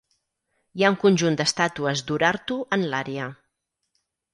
Hi ha un conjunt d'estàtues d'Urartu en l'àrea.